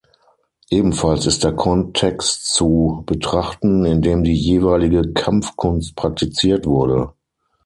Ebenfalls ist der Kontext zu betrachten, in dem die jeweilige Kampfkunst praktiziert wurde.